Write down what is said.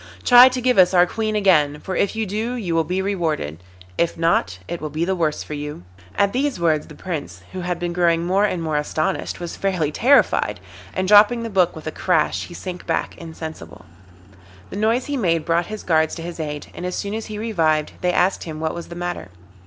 Try to give us our Queen again, for if you do you will be rewarded; if not, it will be the worse for you.' At these words the Prince, who had been growing more and more astonished, was fairly terrified, and dropping the book with a crash he sank back insensible. The noise he made brought his guards to his aid, and as soon as he revived they asked him what was the matter.